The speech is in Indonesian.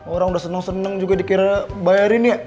orang udah seneng seneng juga dikira bayarin ya